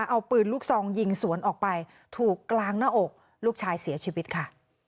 เอาปืนลูกซองยิงสวนออกไปถูกกลางหน้าอกลูกชายเสียชีวิตค่ะ